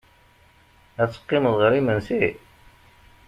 Ad teqqimeḍ ɣer imensi?